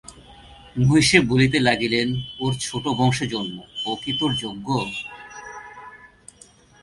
মহিষী বলিতে লাগিলেন, ওর ছোটো বংশে জন্ম, ও কি তোর যোগ্য?